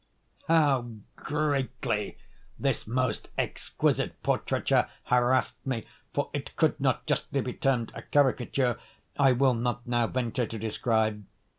How greatly this most exquisite portraiture harassed me, (for it could not justly be termed a caricature,) I will not now venture to describe.